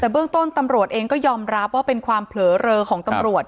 แต่เบื้องต้นตำรวจเองก็ยอมรับว่าเป็นความเผลอเลอของตำรวจ